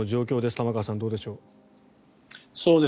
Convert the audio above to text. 玉川さん、どうでしょう。